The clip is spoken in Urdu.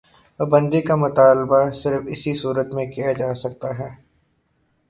پابندی کا مطالبہ صرف اسی صورت میں کیا جا سکتا ہے۔